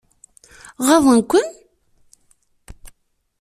Ɣaḍen-ken?